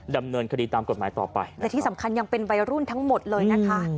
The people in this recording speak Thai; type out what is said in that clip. ดำเนินคดีตามกฎหมายต่อไปและที่สำคัญยังเป็นวัยรุ่นทั้งหมดเลยนะคะ